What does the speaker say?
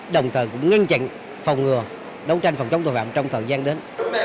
đồng thời cũng ngăn chặn phòng ngừa đấu tranh phòng chống tội phạm trong thời gian đến